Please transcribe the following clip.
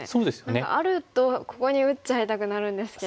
何かあるとここに打っちゃいたくなるんですけど。